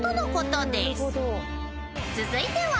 ［続いては］